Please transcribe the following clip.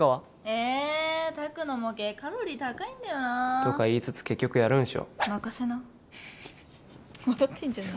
え拓の模型カロリー高いんだよなとか言いつつ結局やるんでしょ任せなフフフフフ笑ってんじゃねえ